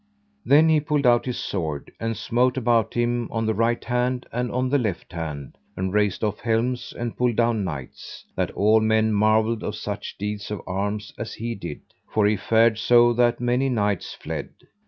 Then he pulled out his sword, and smote about him on the right hand and on the left hand, and raced off helms and pulled down knights, that all men marvelled of such deeds of arms as he did, for he fared so that many knights fled.